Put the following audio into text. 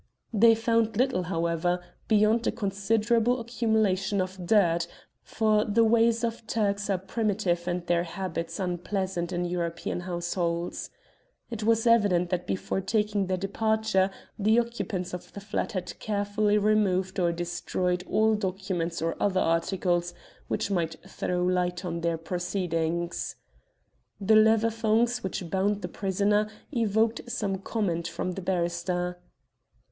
They found little, however, beyond a considerable accumulation of dirt; for the ways of Turks are primitive and their habits unpleasant in European households. If was evident that before taking their departure the occupants of the flat had carefully removed or destroyed all documents or other articles which might throw light on their proceedings. The leather thongs which bound the prisoner evoked some comment from the barrister.